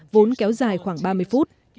vốn kéo dài khoảng ba mươi phút